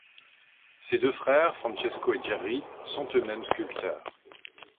Ses deux frères, Francesco et Gerri, sont eux-mêmes sculpteurs.